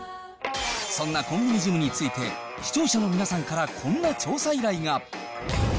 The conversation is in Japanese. そんなコンビニジムについて視聴者の皆さんからこんな調査依頼が。